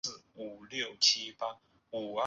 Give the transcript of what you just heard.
该文物保护单位由梅河口市文管所管理。